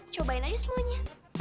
cobain aja semuanya